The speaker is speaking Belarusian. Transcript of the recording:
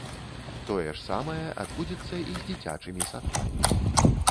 Тое ж самае адбудзецца і з дзіцячымі садкамі.